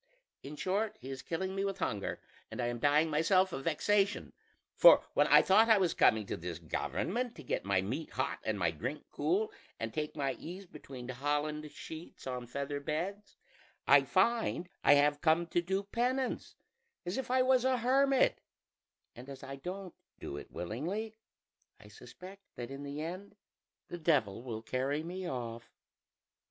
"In short, he is killing me with hunger, and I am dying myself of vexation: for when I thought I was coming to this government to get my meat hot and my drink cool, and take my ease between holland sheets on feather beds, I find I have come to do penance as if I was a hermit; and as I don't do it willingly, I suspect that in the end the Devil will carry me off.